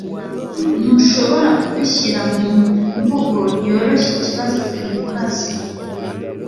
Ntushobora kubishyira mu mvugo yoroshyeikibazo twibaza